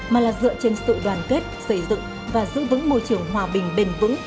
mà là dựa trên sự đoàn kết xây dựng và giữ vững môi trường hòa bình bền vững